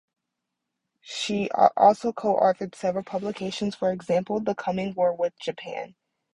She also coauthored several publications, for example "The Coming War with Japan".